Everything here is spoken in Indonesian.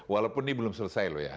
walaupun ini belum selesai loh ya